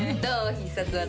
必殺技。